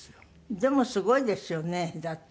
でもすごいですよねだって。